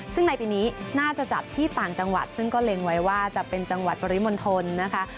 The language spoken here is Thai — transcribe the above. ซึ่งในปีนี้น่าจะจัดที่ต่างจังหวัดซึ่งก็เล็งไว้ว่าจะเป็นจังหวัดปริมณฑลนะคะ